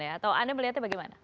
atau anda melihatnya bagaimana